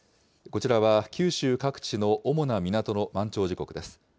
こちらは九州各地の主な港の満潮時刻です。